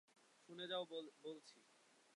শুনে যাও বলছি!